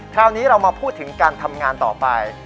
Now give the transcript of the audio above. คราวนี้เรามาพูดถึงการทำงานต่อไป